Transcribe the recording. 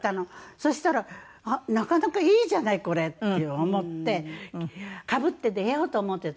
そしたら「なかなかいいじゃないこれ！」って思ってかぶって出ようと思ってたの。